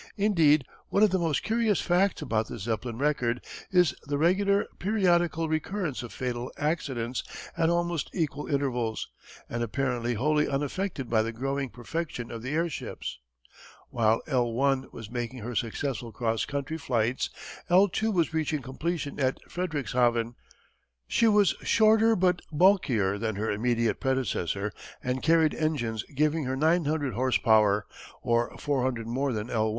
Indeed one of the most curious facts about the Zeppelin record is the regular, periodical recurrence of fatal accidents at almost equal intervals and apparently wholly unaffected by the growing perfection of the airships. While L I was making her successful cross country flights, L II was reaching completion at Friedrichshaven. She was shorter but bulkier than her immediate predecessor and carried engines giving her nine hundred horse power, or four hundred more than _L I.